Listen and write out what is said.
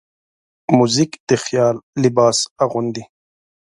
موزیک د خیال لباس اغوندي.